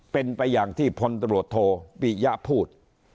เป็นไปอย่างที่พรศโรโธพิญญะพูด